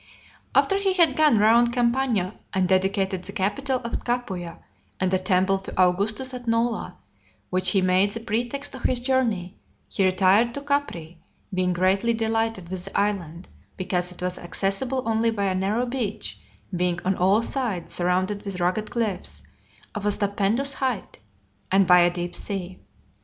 XL. After he had gone round Campania, and dedicated the capitol at Capua, and a temple to Augustus at Nola , which he made the pretext of his journey, he retired to Capri; being (218) greatly delighted with the island, because it was accessible only by a narrow beach, being on all sides surrounded with rugged cliffs, of a stupendous height, and by a deep sea.